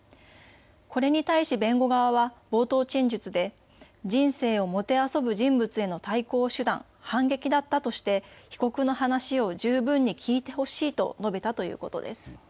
これに対し弁護側は冒頭陳述で人生をもてあそぶ人物への対抗手段、反撃だったとして被告の話を十分に聞いてほしいと述べたということです。